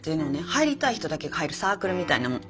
入りたい人だけが入るサークルみたいなもん。